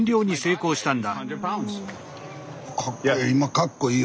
かっこいい。